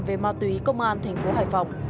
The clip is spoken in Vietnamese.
về mao tùy công an thành phố hải phòng